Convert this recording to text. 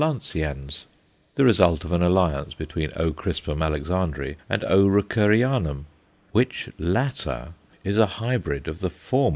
lanceans_, the result of an alliance between O. crispum Alexandræ and O. Ruckerianum, which latter is a hybrid of the former with _O.